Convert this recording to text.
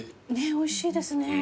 おいしいですね。